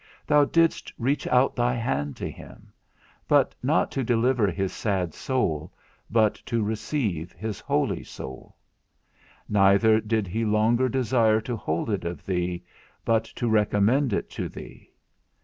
_ thou didst reach out thy hand to him; but not to deliver his sad soul, but to receive his holy soul: neither did he longer desire to hold it of thee, but to recommend it to thee.